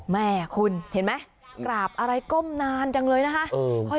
แม่คุณเห็นไหมกราบอะไรก้มนานจังเลยนะคะ